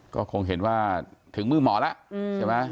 ก็คงเห็นว่าถึงมือหมอแล้วใช่ไหม